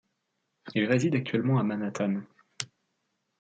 Il réside actuellement à Manhattan.